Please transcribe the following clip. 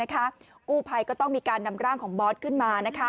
กู้ภัยก็ต้องมีการนำร่างของบอสขึ้นมา